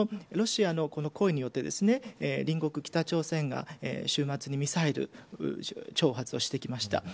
ロシアのこの行為によって隣国北朝鮮が、週末にミサイル挑発をしてきました。